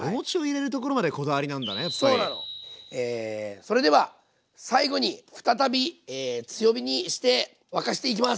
それでは最後に再び強火にして沸かしていきます。